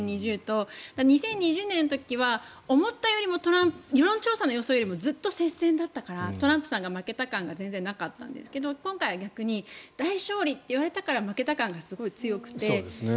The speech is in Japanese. ２０１６、２０２０と２０２０年の時は思ったよりも世論調査の予想よりもずっと接戦だったからトランプさんが負けた感が全然なかったんだけど今回は逆に大勝利といわれたから負けた感がすごい強くて。